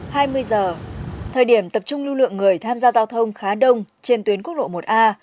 hai mươi giờ thời điểm tập trung lưu lượng người tham gia giao thông khá đông trên tuyến quốc lộ một a